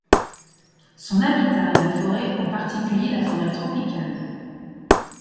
Son habitat est la forêt en particulier la forêt tropicale.